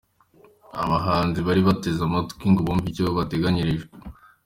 Abahanzi bari bateze amatwi ngo bumve icyo bateganyirijwe.